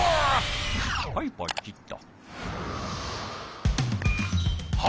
はいポチッと。